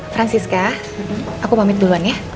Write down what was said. francisca aku pamit duluan ya